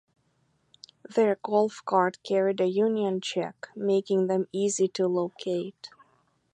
Their golf cart carried a Union Jack, making them easy to locate.